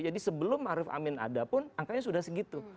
jadi sebelum arief amin ada pun angkanya sudah segitu